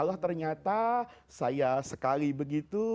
allah ternyata saya sekali begitu